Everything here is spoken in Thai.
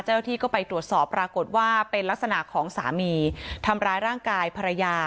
เจ้าหน้าที่ก็ไปตรวจสอบปรากฏว่าเป็นลักษณะของสามีทำร้ายร่างกายภรรยา